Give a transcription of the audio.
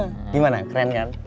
gimana keren kan